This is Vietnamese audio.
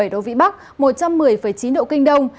một mươi tám bảy độ vĩ bắc một trăm một mươi chín độ kinh đông